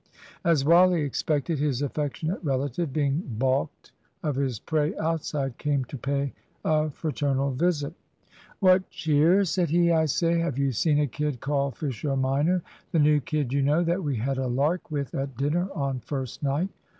As Wally expected, his affectionate relative, being baulked of his prey outside, came to pay a fraternal visit. "What cheer?" said he. "I say, have you seen a kid called Fisher minor? The new kid, you know, that we had a lark with at dinner on first night."